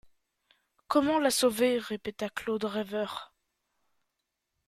Comment la sauver? répéta Claude rêveur.